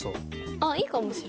ああいいかもしれない。